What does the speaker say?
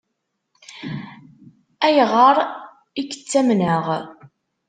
Ayɣer i k-ttamneɣ?